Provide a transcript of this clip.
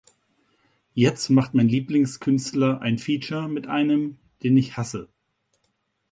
Jetzt macht mein Lieblingskünstler ein Feature mit einem, den ich hasse.